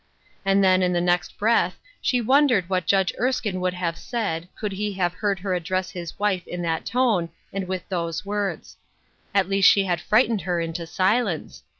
And then, in the next breath, she wondered what Judge Erskine would have said, could he have heard her address his wife in that tone, and with those words. At least she had frightened her into silence.